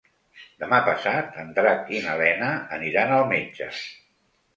Demà passat en Drac i na Lena aniran al metge.